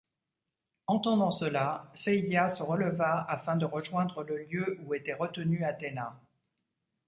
Entendant cela, Seiya se releva afin de rejoindre le lieu où était retenu Athéna.